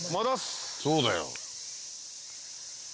そうだよ。